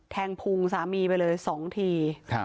แทงพุงสามีไปเลยสองที